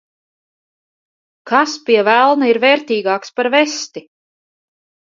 Kas, pie velna, ir vērtīgāks par vesti?